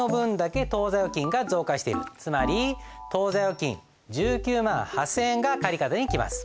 つまり当座預金１９万８，０００円が借方にきます。